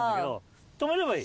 止めればいい。